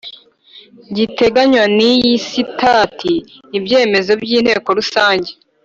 giteganywa n iyi sitati ibyemezo by Inteko Rusange